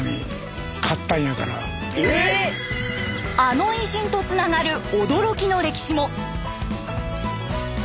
あの偉人とつながる驚きの歴史も。